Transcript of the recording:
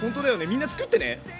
みんなつくってね！